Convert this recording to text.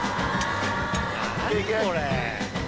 何これ！